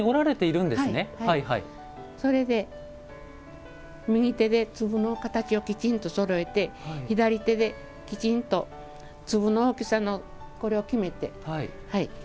それで、右手で粒の形をきちんとそろえて左手で粒の大きさを決めて。